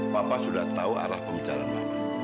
papa sudah tahu arah pembicaraan mana